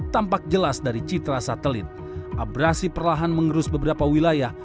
tampak jelas dari citra satelit abrasi perlahan mengerus beberapa wilayah